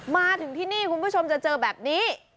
มาถึงที่นี่คุณผู้ชมจะเจอแบบนี้